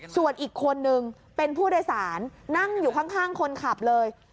ส่วนอีกคนนึงเป็นผู้โดยสารนั่งอยู่ข้างคนขับเลย